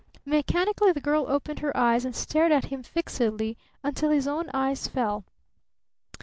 Mechanically the girl opened her eyes and stared at him fixedly until his own eyes fell.